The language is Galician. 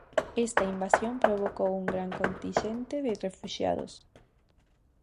Esta invasión provocou un gran continxente de refuxiados.